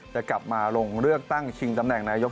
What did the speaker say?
จะกลับมาลงเลือกตั้งชิงตำแหน่งนายก